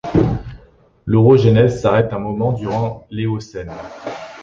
L'orogenèse s'arrête un moment durant l'Éocène.